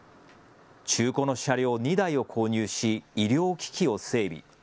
中古の車両２台を購入し医療機器を整備。